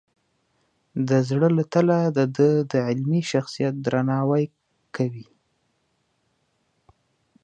د زړه له تله د ده د علمي شخصیت درناوی کوي.